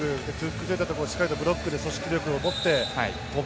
崩れたところをしっかりとブロックで組織力をもって跳ぶ。